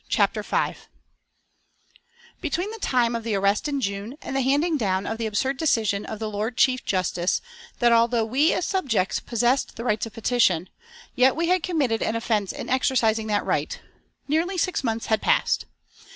CHAPTER V Between the time of the arrest in June and the handing down of the absurd decision of the Lord Chief Justice that although we, as subjects, possessed the right of petition, yet we had committed an offence in exercising that right, nearly six months had passed.